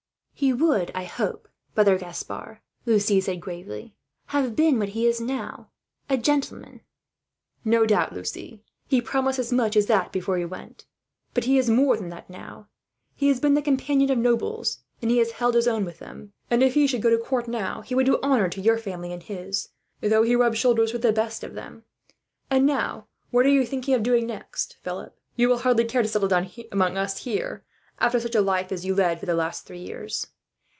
"He would, I hope, brother Gaspard," Lucie said gravely, "have been what he is now a gentleman." "No doubt, Lucie. He promised as much as that, before he went; but he is more than that now. He has been the companion of nobles, and has held his own with them; and if he should go to court, now, he would do honour to your family and his, though he rubbed shoulders with the best of them. "And now, what are you thinking of doing next, Philip? You will hardly care to settle down among us here, after such a life as you have led for the last three years."